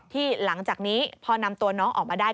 หลังจากนี้พอนำตัวน้องออกมาได้